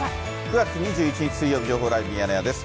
９月２１日水曜日、情報ライブミヤネ屋です。